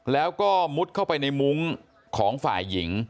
แล้วก็มุดเข้าไปในมุ้งของฝ่ายหญิง